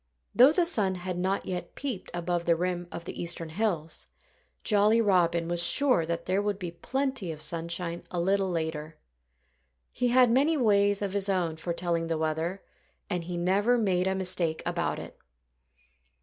Though the sun had not yet peeped above the rim of the eastern hills, Jolly Robin was sure that there would be plenty of sunshine a little later. He had many ways of his own for telling the weather; and he never made a mistake about it.